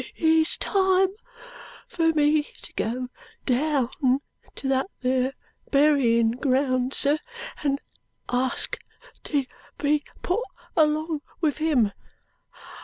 It's time fur me to go down to that there berryin ground, sir, and ask to be put along with him.